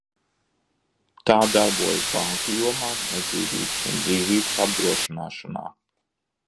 Tā darbojas banku jomā, nedzīvības un dzīvības apdrošināšanā.